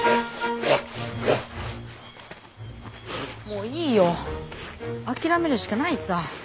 もういいよ諦めるしかないさぁ。